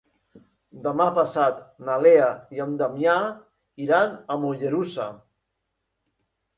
Demà passat na Lea i en Damià iran a Mollerussa.